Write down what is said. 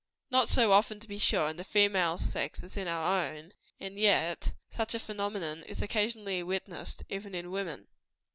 Not so often, to be sure, in the female sex, as in our own; and yet such a phenomenon is occasionally witnessed, even in woman.